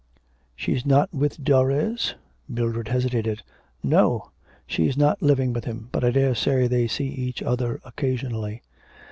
'She's not with Darres?' Mildred hesitated. 'No; she's not living with him; but I daresay they see each other occasionally.'